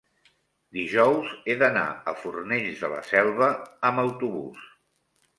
dijous he d'anar a Fornells de la Selva amb autobús.